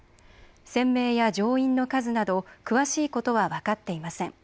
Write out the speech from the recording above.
船名や乗員の数など詳しいことは分かっていません。